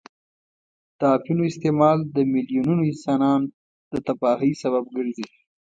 د اپینو استعمال د میلیونونو انسانان د تباهۍ سبب ګرځي.